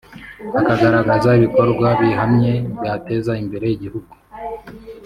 akagaragaza ibikorwa bihamye byateza imbere igihugu